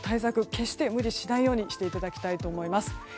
決して無理しないようにしていただきたいと思います。